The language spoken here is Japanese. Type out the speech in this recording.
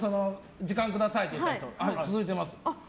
時間くださいって言った人は続いています。